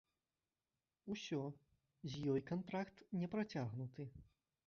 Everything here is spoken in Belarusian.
Усё, з ёй кантракт не працягнуты.